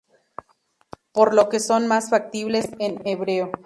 Por lo que son más factibles en hebreo.